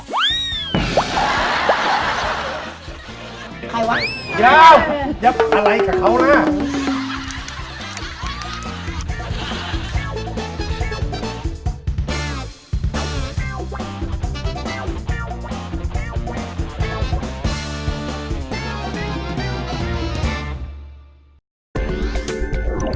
ใครวะยับยับอะไรกับเขานะ